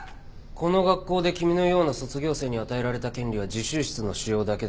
この学校で君のような卒業生に与えられた権利は自習室の使用だけだ。